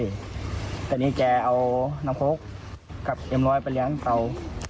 แต่นี้แจเอาน้ำโค้กกับเอ็มร้อยไปเลี้ยงเต่า